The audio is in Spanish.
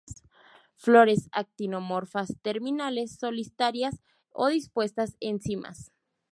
Flores actinomorfas, terminales, solitarias o dispuestas en cimas.